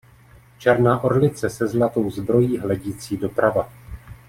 Černá orlice se zlatou zbrojí hledící doprava.